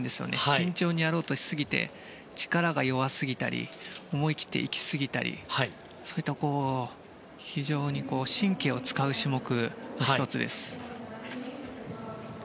慎重にやろうとしすぎて力が弱すぎたり思い切っていきすぎたり非常に神経を使う種目の１つです。